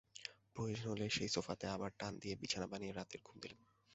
প্রয়োজন হলে সেই সোফাই আবার টান দিয়ে বিছানা বানিয়েই রাতের ঘুম দিলেন।